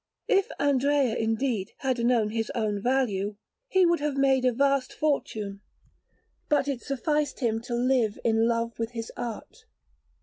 If Andrea, indeed, had known his own value, he would have made a vast fortune; but it sufficed him to live in love with his art.